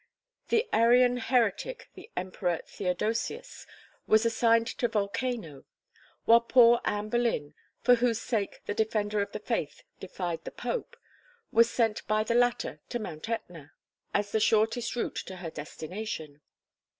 The Arian heretic, the Emperor Theodosius, was assigned to Vulcano; while poor Anne Boleyn, for whose sake the "Defender of the Faith" defied the Pope, was sent by the latter to Mt. Ætna, as the shortest route to her destination.